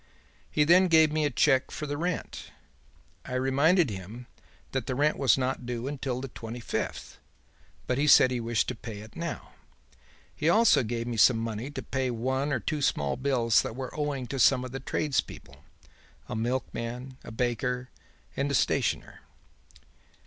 He then gave me a cheque for the rent. I reminded him that the rent was not due until the twenty fifth, but he said he wished to pay it now. He also gave me some money to pay one or two small bills that were owing to some of the tradespeople a milk man, a baker and a stationer.